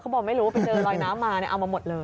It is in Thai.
บอกไม่รู้ว่าไปเจอลอยน้ำมาเอามาหมดเลย